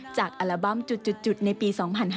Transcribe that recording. อัลบั้มจุดในปี๒๕๕๙